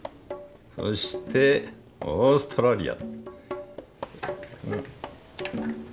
そしてオーストラリア。